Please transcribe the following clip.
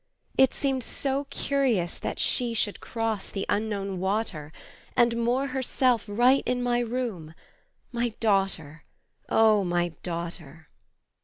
It seemed so curious that she Should cross the Unknown water, And moor herself right in my room, My daughter, O my daughter!